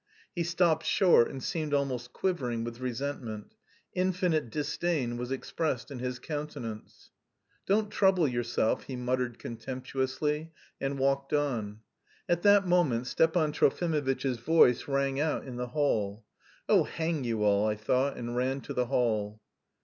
He stopped short and seemed almost quivering with resentment. Infinite disdain was expressed in his countenance. "Don't trouble yourself," he muttered contemptuously and walked on. At that moment Stepan Trofimovitch's voice rang out in the hall. "Oh, hang you all," I thought, and ran to the hall.